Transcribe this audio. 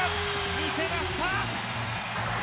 見せました。